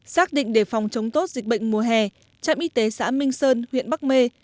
xác định để phòng chống tốt dịch bệnh mùa hè trạm y tế xã minh sơn huyện bắc mê